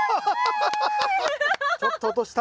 ちょっと落とした。